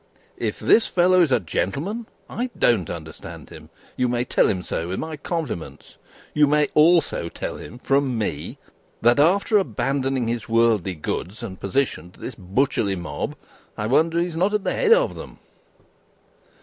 If this fellow is a gentleman, I don't understand him. You may tell him so, with my compliments. You may also tell him, from me, that after abandoning his worldly goods and position to this butcherly mob, I wonder he is not at the head of them.